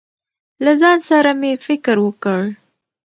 له ځان سره مې فکر وکړ.